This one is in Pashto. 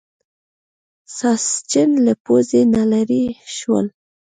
ساسچن له پوزې نه لرې شول.